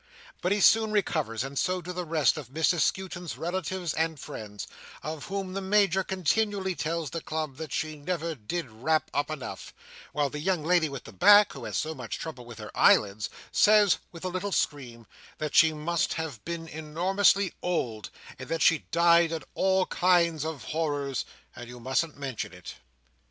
But he soon recovers; and so do the rest of Mrs Skewton's relatives and friends, of whom the Major continually tells the club that she never did wrap up enough; while the young lady with the back, who has so much trouble with her eyelids, says, with a little scream, that she must have been enormously old, and that she died of all kinds of horrors, and you mustn't mention it.